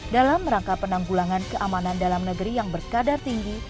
dalam rangka penanggulangan keamanan dalam negeri yang berkadar tinggi